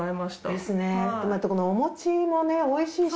ですねまたこのお餅もね美味しいし。